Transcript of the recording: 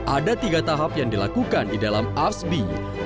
ada tiga tahap yang dilakukan di dalam arsbi